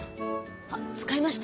あっ使いました？